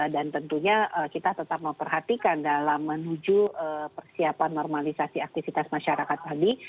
dan tentunya kita tetap memperhatikan dalam menuju persiapan normalisasi aktivitas masyarakat tadi